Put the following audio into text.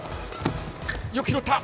よく拾った。